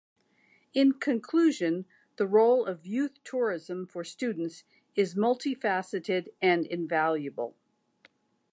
In conclusion, the role of youth tourism for students is multifaceted and invaluable.